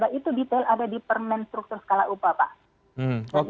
dan itu detail ada di permen struktur skala upah pak